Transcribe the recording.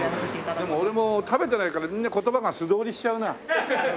でも俺も食べてないからみんな言葉が素通りしちゃうな。